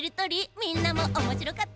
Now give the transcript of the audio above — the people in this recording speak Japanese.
みんなもおもしろかった？